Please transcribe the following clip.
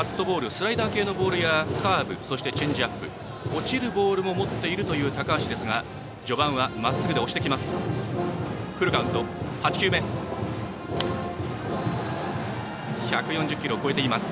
スライダー系のボールや、カーブチェンジアップ、落ちるボールも持っている高橋ですが序盤はまっすぐで押してきます。